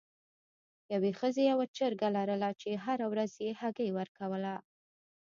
یوې ښځې یوه چرګه لرله چې هره ورځ یې هګۍ ورکوله.